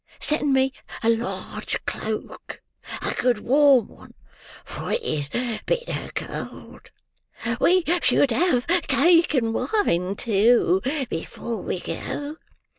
Send me a large cloak: a good warm one: for it is bitter cold. We should have cake and wine, too, before we go!